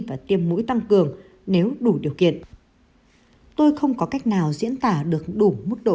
và tiêm mũi tăng cường nếu đủ điều kiện tôi không có cách nào diễn tả được đủ mức độ